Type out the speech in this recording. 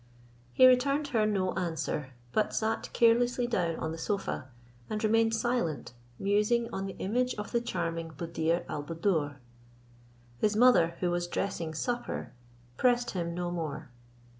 He returned her no answer, but sat carelessly down on the sofa, and remained silent, musing on the image of the charming Buddir al Buddoor. His mother, who was dressing supper, pressed him no more.